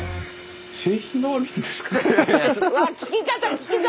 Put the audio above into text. うわ聞き方聞き方！